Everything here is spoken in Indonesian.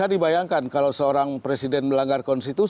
nah itu bisa dibayangkan kalau seorang presiden melanggar konstitusi